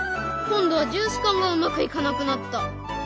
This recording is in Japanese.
今度はジュース缶がうまくいかなくなった！